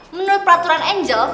menurut peraturan anjel